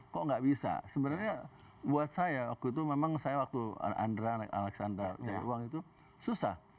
kok nggak bisa sebenarnya buat saya waktu itu memang saya waktu andra alexander jaya wang itu susah